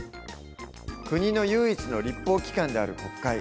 国の唯一の立法機関である国会。